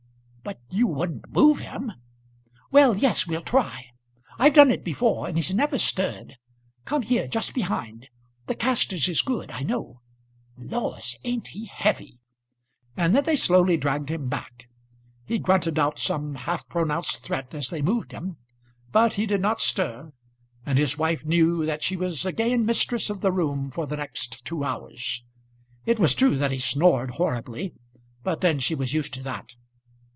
"But you wouldn't move him?" "Well, yes; we'll try. I've done it before, and he's never stirred. Come here, just behind. The casters is good, I know. Laws! ain't he heavy?" And then they slowly dragged him back. He grunted out some half pronounced threat as they moved him; but he did not stir, and his wife knew that she was again mistress of the room for the next two hours. It was true that he snored horribly, but then she was used to that.